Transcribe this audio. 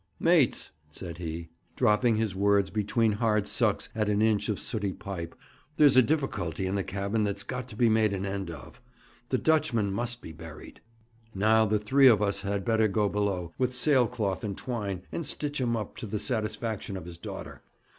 'Mates,' said he, dropping his words between hard sucks at an inch of sooty pipe, 'there's a difficulty in the cabin that's got to be made an end of. The Dutchman must be buried. Now, the three of us had better go below, with sail cloth and twine, and stitch him up to the satisfaction of his daughter.